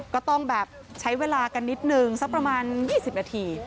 ก็ต้องแบบใช้เวลากันนิดนึงสักประมาณ๒๐นาที